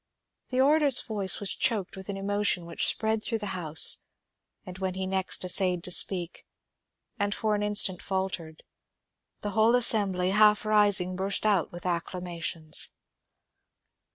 The orator's voice was choked with an emotion which spread through the house, and when he next essayed to speak, and for an instant faltered, the whole assembly, half rising, burst out with acclamations.